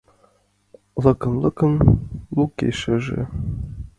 Лыкын-лукын лукешыже